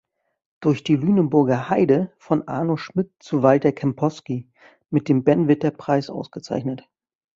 Durch die Lüneburger Heide von Arno Schmidt zu Walter Kempowski" mit dem Ben-Witter-Preis ausgezeichnet.